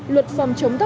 luật phẩm chống tốc hại